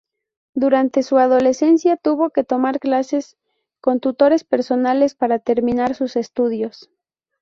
Durante su adolescencia tuvo que tomar clases con tutores personales para terminar sus estudios.